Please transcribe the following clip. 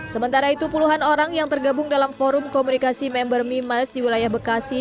sementara itu puluhan orang yang tergabung dalam forum komunikasi member memiles di wilayah bekasi